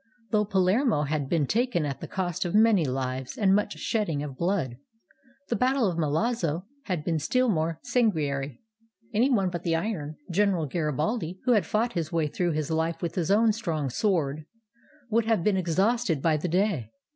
Though Palermo had been taken at the cost of many lives and much shedding of blood, the battle of Milazzo had been still more san guinary. Any one but the iron General Garibaldi, who had fought his way through life with his own strong sword, would have been exhausted by the day.